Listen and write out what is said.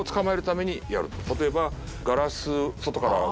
例えば。